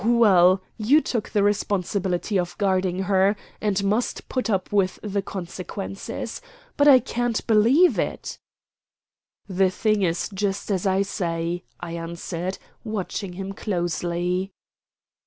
Well, you took the responsibility of guarding her, and must put up with the consequences. But I can't believe it." "The thing is just as I say," I answered, watching him closely.